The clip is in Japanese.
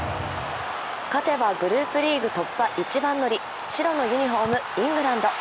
勝てば、グループリーグ突破一番乗り白のユニフォーム、イングランド。